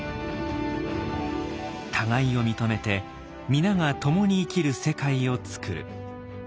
互いを認めて皆が共に生きる世界を作る。